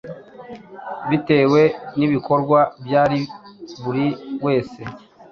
bitewe n’ibikorwa bya buri wese.